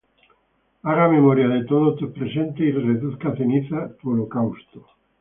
Haga memoria de todos tus presentes, Y reduzca á ceniza tu holocausto.